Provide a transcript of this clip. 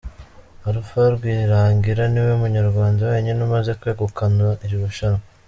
Alpha Rwirangira niwe munyarwanda wenyine umaze kwegukana iri rushanwa.